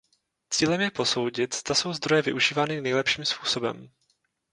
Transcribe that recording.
Cílem je posoudit, zda jsou zdroje využívány nejlepším způsobem.